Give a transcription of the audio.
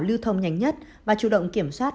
lưu thông nhanh nhất và chủ động kiểm soát